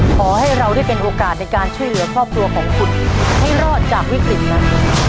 ขอให้เราได้เป็นโอกาสในการช่วยเหลือครอบครัวของคุณให้รอดจากวิกฤตนั้น